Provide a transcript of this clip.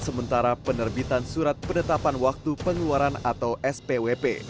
sementara penerbitan surat penetapan waktu pengeluaran atau spwp